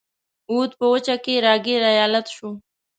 اَوَد په وچه کې را ګیر ایالت شو.